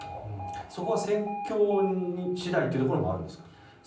そこは戦況次第というところはあるんでしょうか。